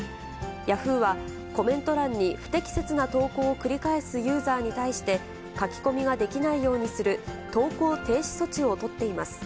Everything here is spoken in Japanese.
ヤフーは、コメント欄に不適切な投稿を繰り返すユーザーに対して、書き込みができないようにする投稿停止措置を取っています。